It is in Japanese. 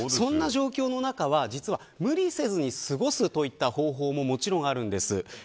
そんな状況の中は実は無理をせずに過ごすといった方法も、もちろんあるんです。